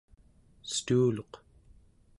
stuuluq